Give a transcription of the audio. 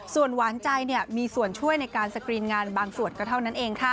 ส่วนหวานใจมีส่วนช่วยในการสกรีนงานบางส่วนก็เท่านั้นเองค่ะ